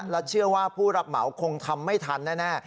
และเชื่อว่าผู้รับเหมาคงทำไม่ทันแน่